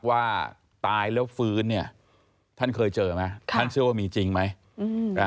ว่าตายแล้วฟื้นเนี่ยท่านเคยเจอไหมค่ะท่านเชื่อว่ามีจริงไหมอืมอ่า